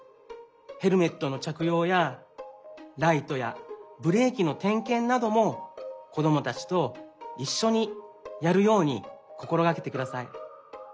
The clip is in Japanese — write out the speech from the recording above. ヘルメットのちゃくようやライトやブレーキのてんけんなどもこどもたちといっしょにやるようにこころがけてください。